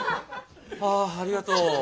あありがとう。